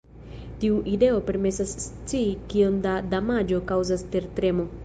Tiu ideo permesas scii kiom da damaĝo kaŭzas tertremo.